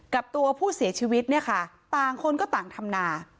กับตัวผู้เสียชีวิตเนี่ยค่ะต่างคนก็ต่างทำนา